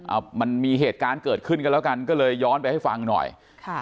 เอามันมีเหตุการณ์เกิดขึ้นกันแล้วกันก็เลยย้อนไปให้ฟังหน่อยค่ะ